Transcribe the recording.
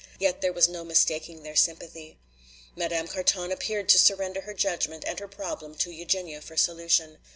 Yet there was no mistaking their sympathy. Madame Carton appeared to surrender her judgment and her problem to Eugenia for solution.